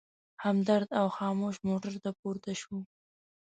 همدرد او خاموش موټر ته پورته شوو.